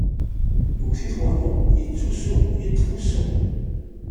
Yewwet-it waḍu, yettusu, yeṭṭef ussu.